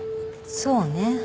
そうね。